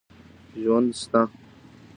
ژوند سته.